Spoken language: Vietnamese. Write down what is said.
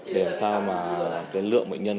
để làm sao mà cái lượng bệnh nhân